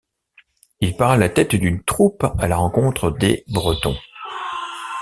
Il part à la tête d'une troupe à la rencontre des Bretons.